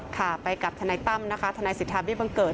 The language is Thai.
ค่ะไปกับทนายตั้มนะคะทนายสิทธาเบี้บังเกิด